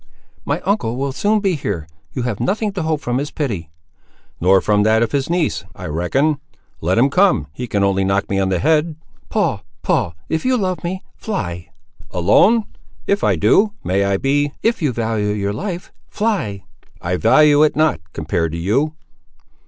"My uncle will soon be here! you have nothing to hope from his pity." "Nor from that of his niece, I reckon. Let him come; he can only knock me on the head!" "Paul, Paul, if you love me, fly." "Alone!—if I do, may I be—" "If you value your life, fly!" "I value it not, compared to you."